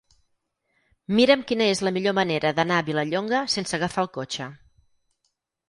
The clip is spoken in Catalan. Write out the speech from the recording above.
Mira'm quina és la millor manera d'anar a Vilallonga sense agafar el cotxe.